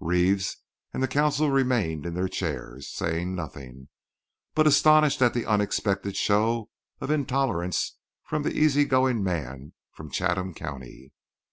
Reeves and the consul remained in their chairs, saying nothing, but astonished at the unexpected show of intolerance from the easy going man from Chatham county.